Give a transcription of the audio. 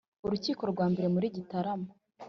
urukiko rwa mbere muri gitarama